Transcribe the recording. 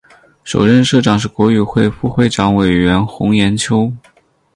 首任社长是国语会副主任委员洪炎秋。